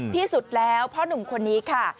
ที่สุดแล้วพ่อหนุ่มคนนี้ค่ะ